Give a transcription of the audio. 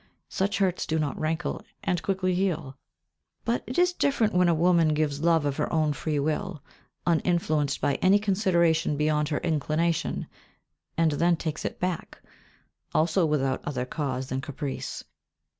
Such hurts do not rankle, and quickly heal. But it is different when a woman gives love of her own free will, uninfluenced by any consideration beyond her inclination, and then takes it back, also without other cause than caprice.